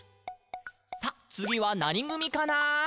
「さあ、つぎはなにぐみかな？」